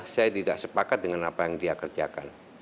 saya tidak sepakat dengan apa yang dia kerjakan